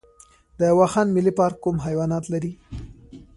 د واخان ملي پارک کوم حیوانات لري؟